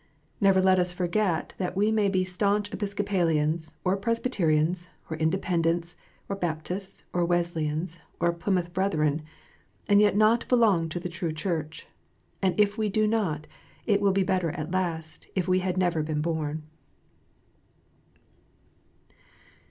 Never let us forget that we may be staunch Episcopalians, or Presbyterians, or Independents, or Baptists, or Wesley an s, or Plymouth Brethren, and yet not belong to the true Church. And if we do not, it will be better at last if we had never been born.